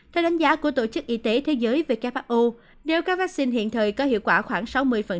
theo đánh giá của tổ chức y tế thế giới who nếu các vaccine hiện thời có hiệu quả khoảng sáu mươi